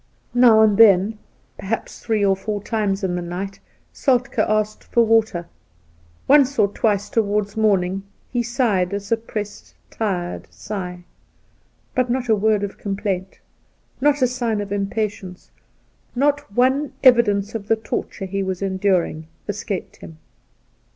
Now and then, perhaps three or four times in the night, Soltk^ asked for water ; once or twice towards morning he sighed a suppressed tired sigh ; but not a word of complaint, not a sign of im Soltke 63 patience, not one evidence of the torture he was ienduring, escaped him.